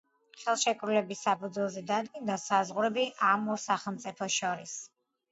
ხელშეკრულების საფუძველზე დადგინდა საზღვრები ამ ორ სახელმწიფოს შორის.